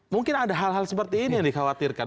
mungkin ada hal hal seperti ini yang dikhawatirkan